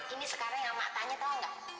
ini sekarang yang mak tanya tahu nggak